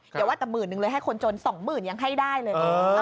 อย่าว่าแต่หมื่นนึงเลยให้คนจน๒๐๐๐ยังให้ได้เลย